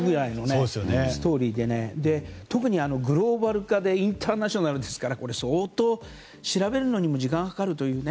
特にグローバル化でインターナショナルですから相当調べるのにも時間がかかるという。